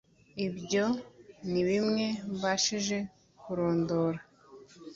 ibyo ni bimwe mbashije kurondora”